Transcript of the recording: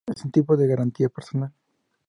Es un tipo de garantía personal.